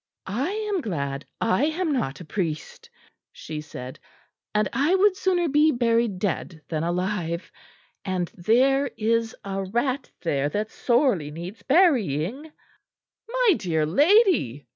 "I am glad I am not a priest," she said. "And I would sooner be buried dead than alive. And there is a rat there that sorely needs burying." "My dear lady!"